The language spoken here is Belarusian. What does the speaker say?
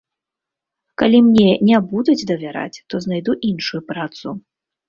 Калі мне не будуць давяраць, то знайду іншую працу.